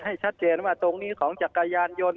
ให้ชัดเจนว่าตรงนี้ของจักรยานยนต์